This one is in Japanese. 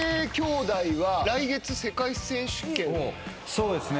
そうですね。